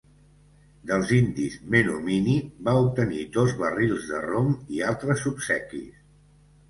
Dels indis menominee va obtenir dos barrils de rom i altres obsequis.